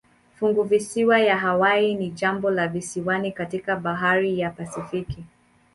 Funguvisiwa ya Hawaii ni jimbo la visiwani katika bahari ya Pasifiki.